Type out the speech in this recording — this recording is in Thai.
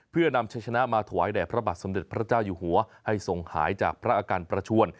เพื่อนำชัยชนะมาถวายแด่พระบาทสมเด็จพระเจ้าอยู่หัวให้ส่งหายจากพระอาการประชวน